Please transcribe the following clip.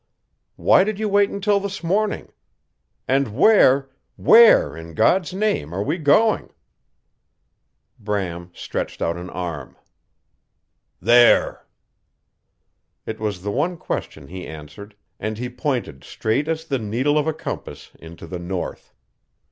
Why did you wait until this morning? And where WHERE in God's name are we going?" Bram stretched out an arm. "There!" It was the one question he answered, and he pointed straight as the needle of a compass into the north.